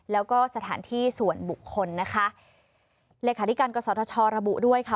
แล้วก็สถานที่ส่วนบุคคลนะคะเลขาธิการกษทชระบุด้วยค่ะ